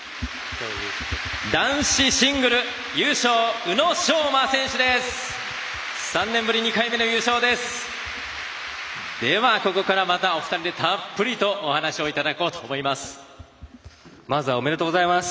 男子シングル優勝宇野昌磨選手です！